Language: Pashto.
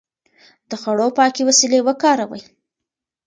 د خوړو پاکې وسيلې وکاروئ.